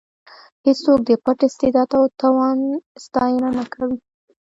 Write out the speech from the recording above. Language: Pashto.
هېڅوک د پټ استعداد او توان ستاینه نه کوي.